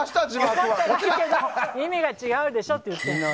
意味が違うでしょって言ってるの。